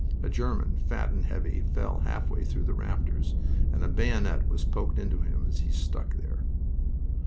A German, fat and heavy, fell half way through the rafters, and a bayonet was poked into him as he stuck there.